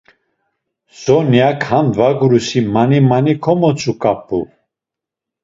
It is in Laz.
Sonyak ham dvagurusi mani mani komotzuǩap̌u.